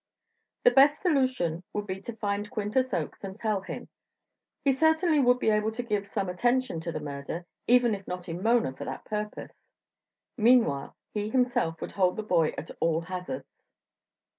The best solution would be to find Quintus Oakes and tell him. He certainly would be able to give some attention to the murder, even if not in Mona for that purpose. Meanwhile, he himself would hold the boy at all hazards.